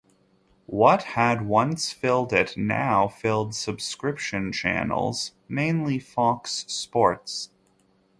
What had once filled it now filled subscription channels, mainly Fox Sports.